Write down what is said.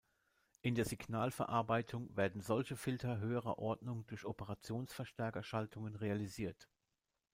In der Signalverarbeitung werden solche Filter höherer Ordnung durch Operationsverstärker-Schaltungen realisiert.